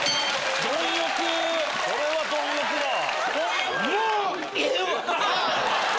・貪欲・・これは貪欲だわ・